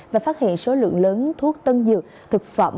và phát hiện số lượng lớn thuốc tân dược thực phẩm